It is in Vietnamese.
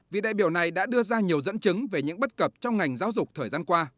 vị đại biểu này đã đưa ra nhiều dẫn chứng về những bất cập trong ngành giáo dục thời gian qua